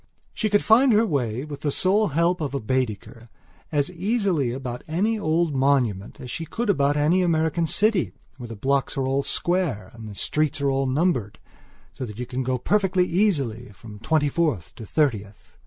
She could find her way, with the sole help of Baedeker, as easily about any old monument as she could about any American city where the blocks are all square and the streets all numbered, so that you can go perfectly easily from Twenty fourth to Thirtieth.